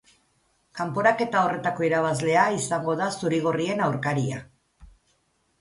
Kanporaketa horretako irabazlea izango da zuri-gorrien aurkaria.